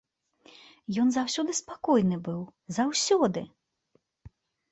Ён заўсёды спакойны быў, заўсёды.